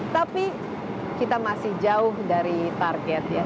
tapi kita masih jauh dari target ya